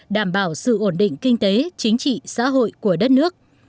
đảm bảo sự ổn định kinh tế chính trị xã hội của đất nước